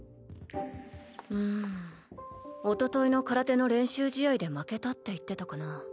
うんおとといの空手の練習試合で負けたって言ってたかな。